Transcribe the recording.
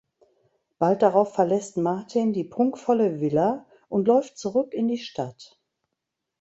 Bald darauf verlässt Martin die prunkvolle Villa und läuft zurück in die Stadt.